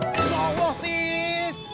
ya allah tis